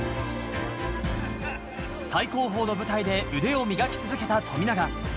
最高峰の舞台で腕を磨き続けた富永。